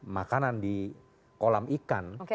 makanan di kolam ikan